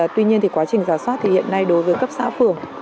tuy nhiên quá trình giả soát hiện nay đối với cấp xã phường